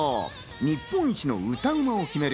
日本一の歌うま王を決める